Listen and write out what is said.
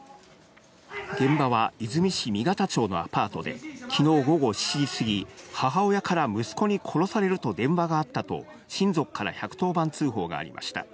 現場は和泉市箕形町のアパートで昨日午後７時すぎ、母親から息子に殺されると電話があったと親族から１１０番通報がありました。